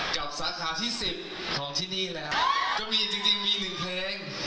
กับสถานที่สิบของที่นี่แล้วก็มีจริงจริงมีหนึ่งเพลง